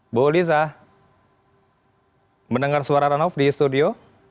ibu liza mendengar suara ranoff di studio